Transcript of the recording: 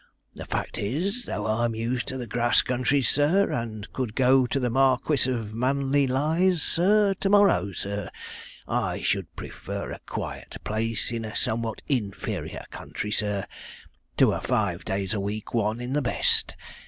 The fact is, though I'm used to the grass countries, sir, and could go to the Marquis of Maneylies, sir, to morrow, sir, I should prefer a quiet place in a somewhat inferior country, sir, to a five days a week one in the best.